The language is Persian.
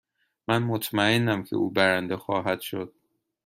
من مطمئنم که او برنده خواهد شد.